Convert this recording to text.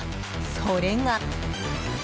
それが。